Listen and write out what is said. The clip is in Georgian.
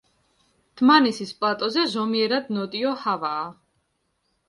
დმანისის პლატოზე ზომიერად ნოტიო ჰავაა.